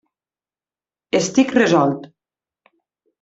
Estic resolt.